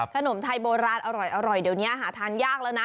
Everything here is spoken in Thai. ขนมไทยโบราณอร่อยเดี๋ยวนี้หาทานยากแล้วนะ